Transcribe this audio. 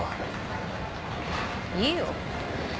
いいよ。